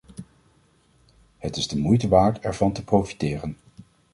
Het is de moeite waard ervan te profiteren.